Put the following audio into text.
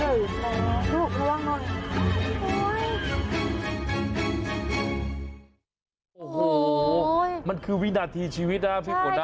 โอ้โหมันคือวินาทีชีวิตนะครับพี่ผู้ด้าน